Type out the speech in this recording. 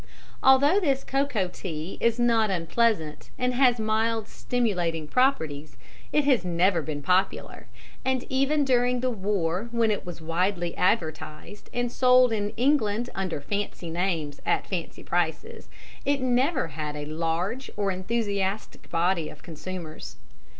Although this "cocoa tea" is not unpleasant, and has mild stimulating properties, it has never been popular, and even during the war, when it was widely advertised and sold in England under fancy names at fancy prices, it never had a large or enthusiastic body of consumers.